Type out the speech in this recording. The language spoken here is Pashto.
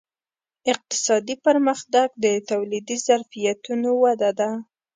اقتصادي پرمختګ د تولیدي ظرفیتونو وده ده.